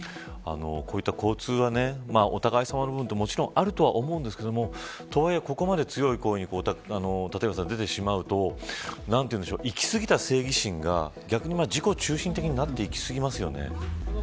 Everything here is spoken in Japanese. こういった交通はお互いさまの部分はあると思いますがとはいえ、ここまで強い行為に出てしまうと行き過ぎた正義心が逆に自己中心的になっていきますよね。